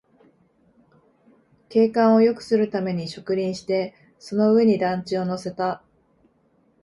景観をよくするために植林して、その上に団地を乗せた